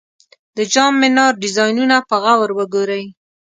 د جام منار ډیزاینونه په غور وګورئ.